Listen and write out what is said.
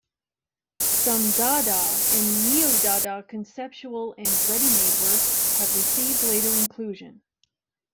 Some Dada and Neo-Dada conceptual and readymade works have received later inclusion.